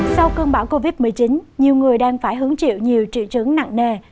sau cơn bão covid một mươi chín nhiều người đang phải hứng chịu nhiều triệu chứng nặng nề